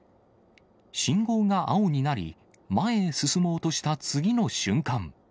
信号が青になり、前へ進もうとした次の瞬間。